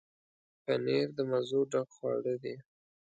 پنېر د مزو ډک خواړه دي.